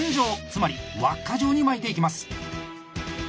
つまり輪っか状に巻いていきます。